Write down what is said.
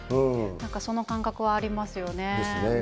なんかその感覚はありますよですね。